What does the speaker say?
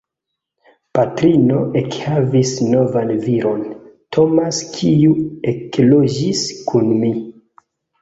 Patrino ekhavis novan viron, Tomas, kiu ekloĝis kun ni.